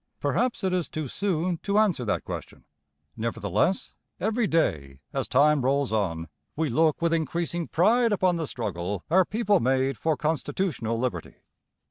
Perhaps it is too soon to answer that question. Nevertheless, every day, as time rolls on, we look with increasing pride upon the struggle our people made for constitutional liberty.